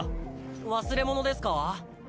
忘れ物ですか？